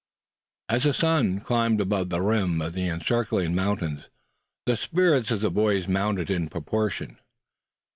As the sun climbed above the rim of the encircling mountains the spirits of the boys mounted in proportion.